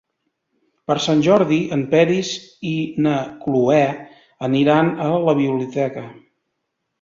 Per Sant Jordi en Peris i na Cloè aniran a la biblioteca.